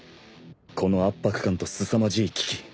この圧迫感とすさまじい鬼気